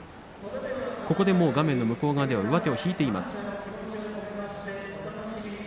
ここで画面の向こう側には上手を引いています。